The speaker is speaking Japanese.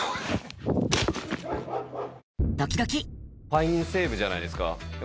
ファインセーブじゃないですか。